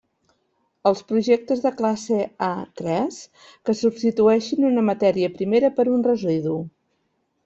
Els projectes de classe A tres que substitueixin una matèria primera per un residu.